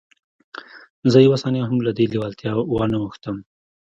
زه یوه ثانیه هم له دې لېوالتیا وانه وښتم